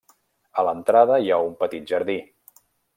A l'entrada hi ha un petit jardí.